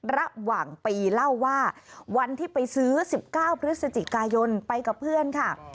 ระหว่างปีเล่าว่าวันที่ไปซื้อ๑๙พฤศจิกายนไปกับเพื่อนค่ะ